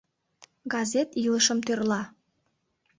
Газет илышым тӧрла.